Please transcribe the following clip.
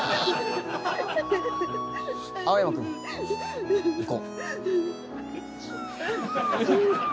青山君行こう。